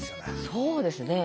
そうですね。